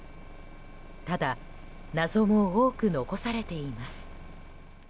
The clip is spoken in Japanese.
ただ、謎も多く残されています。